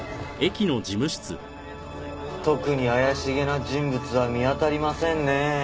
特に怪しげな人物は見当たりませんねえ。